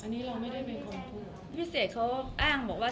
พี่เสกเขาอ้างบอกว่า